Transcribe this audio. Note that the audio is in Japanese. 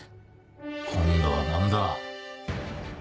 今度は何だ？